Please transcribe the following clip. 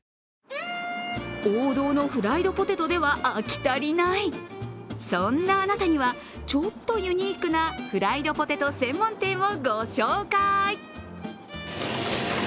王道のフライドポテトでは飽き足りない、そんなあなたにはちょっとユニークなフライドポテト専門店をご紹介。